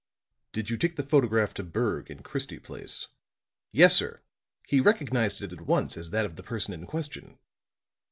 "Did you take the photograph to Berg in Christie Place?" "Yes, sir. He recognized it at once as that of the person in question."